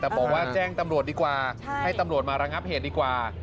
แต่บอกว่าแจ้งตำรวจดีกว่าให้ตำรวจมาระงับเหตุดีกว่า